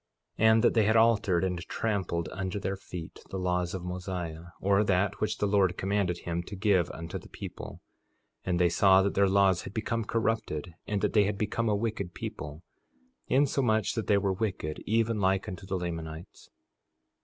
4:22 And that they had altered and trampled under their feet the laws of Mosiah, or that which the Lord commanded him to give unto the people; and they saw that their laws had become corrupted, and that they had become a wicked people, insomuch that they were wicked even like unto the Lamanites.